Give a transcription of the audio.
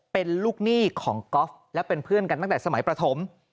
เป็นลูกหนี้ของก๊อฟและเป็นเพื่อนกันตั้งแต่สมัยประถม